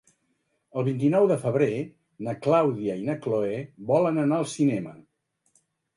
El vint-i-nou de febrer na Clàudia i na Cloè volen anar al cinema.